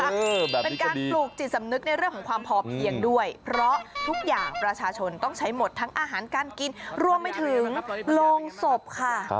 เป็นการปลูกจิตสำนึกในเรื่องของความพอเพียงด้วยเพราะทุกอย่างประชาชนต้องใช้หมดทั้งอาหารการกินรวมไปถึงโรงศพค่ะ